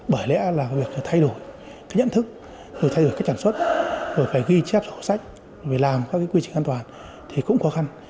bởi lẽ là việc thay đổi cái nhận thức rồi thay đổi cái sản xuất rồi phải ghi chép sản phẩm sạch rồi phải làm các quy trình an toàn thì cũng khó khăn